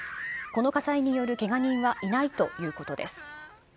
この火災によるけが人はいないということです。